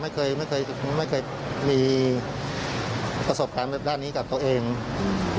ไม่เคยไม่เคยไม่เคยมีประสบการณ์แบบด้านนี้กับตัวเองอืม